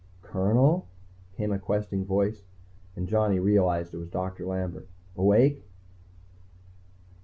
"Colonel?" came a questing voice, and Johnny realized it was Doctor Lambert. "Awake?"